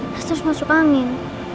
terus masuk angin